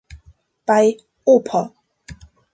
Bei "Oper!